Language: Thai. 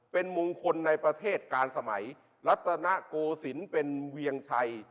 เป็นมงคลในประเทศกาลสมัยรัตนโกศิลป์เป็นเวียงชัย